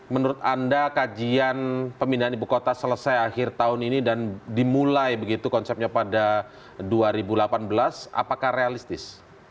menurut anda kajian pemindahan ibu kota selesai akhir tahun ini dan dimulai begitu konsepnya pada dua ribu delapan belas apakah realistis